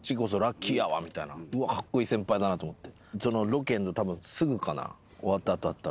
カッコイイ先輩だなと思って。